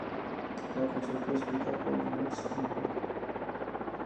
La canción fue escrita por Mitch Murray.